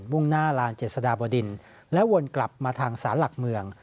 ่งหน้าลานเจษฎาบดินและวนกลับมาทางศาลหลักเมือง